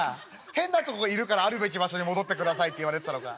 変なとこいるからあるべき場所に戻ってくださいって言われてたのか」。